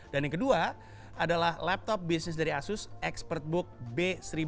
dan yang kedua adalah laptop bisnis dari asus expertbook b seribu empat ratus